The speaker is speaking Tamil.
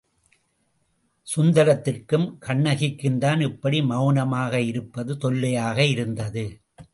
சுந்தரத்திற்கும், கண்ணகிக்குந்தான் இப்படி மெளனமாக இருப்பது தொல்லையாக இருந்தது.